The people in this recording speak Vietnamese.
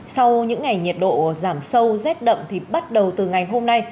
sau những ngày nhiệt độ giảm sâu rét đậm thì bắt đầu từ ngày hôm nay